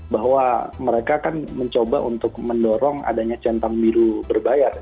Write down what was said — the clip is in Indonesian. bahwa mereka kan mencoba untuk mendorong adanya centang biru berbayar